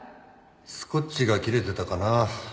スコッチが切れてたかなぁ。